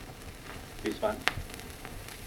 Bis wann?